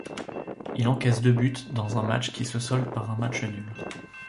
Il encaisse deux buts dans un match qui se solde par un match nul.